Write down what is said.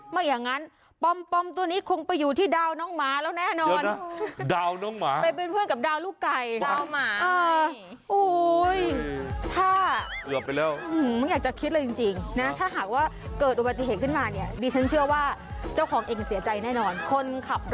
ไม่อย่างนั้นปอมตัวนี้คงไปอยู่ที่ดาวน้องหมาแล้วแน่นอน